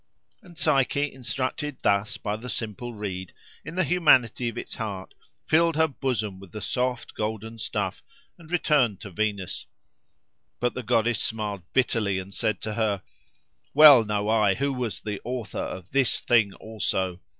And Psyche, instructed thus by the simple reed, in the humanity of its heart, filled her bosom with the soft golden stuff, and returned to Venus. But the goddess smiled bitterly, and said to her, "Well know I who was the author of this thing also.